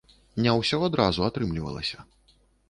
Не ўсё адразу атрымлівалася.